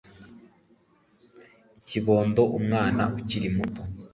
ikibondo umwana ukiri muto